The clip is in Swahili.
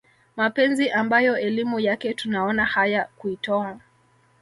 mapenzi ambayo elimu yake tunaona haya kuitowa